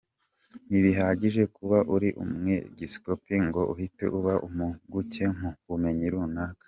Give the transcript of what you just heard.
Ntibihagije kuba uri umwepiskopi ngo uhite uba impuguke mu bumenyi runaka.